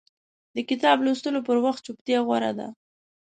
د کتاب لوستلو پر وخت چپتیا غوره ده.